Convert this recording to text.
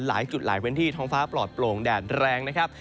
หลายจุดหลายพื้นที่ท้องฟ้าปลอดโปร่งแดดแรงนะครับ